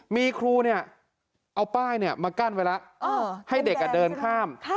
มีครูเนี่ยเอาป้ายเนี่ยมากั้นไว้ละให้เด็กอ่ะเดินข้าม